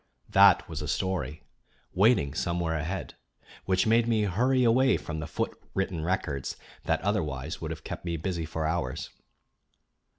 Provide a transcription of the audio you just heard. That was a story, waiting somewhere ahead, which made me hurry away from the foot written records that otherwise would have kept me busy for hours.